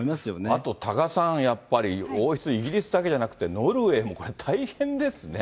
あと、多賀さん、やっぱり王室、イギリスだけじゃなくてノルウェーもこれ、大変ですね。